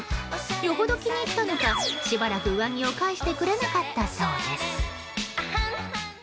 よほど気に入ったのかしばらく上着を返してくれなかったそうです。